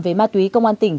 về ma túy công an tỉnh